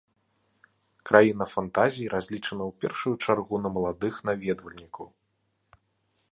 Краіна фантазій разлічана ў першую чаргу на маладых наведвальнікаў.